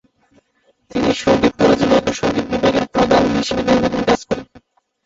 তিনি সংগীত কলেজে লোকসঙ্গীত বিভাগের প্রধান হিসেবে দীর্ঘদিন কাজ করেন।